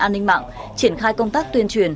an ninh mạng triển khai công tác tuyên truyền